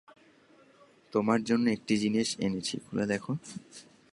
তোমার জন্যে একটি জিনিস এনেছি খুলে দেখো।